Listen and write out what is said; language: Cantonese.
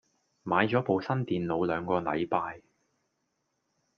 買咗部新電腦兩個禮拜